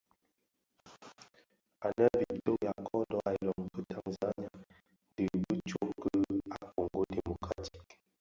Anë a Victoria kodo a iloň ki Tanzania dhi bi tsog ki a Kongo Democratique.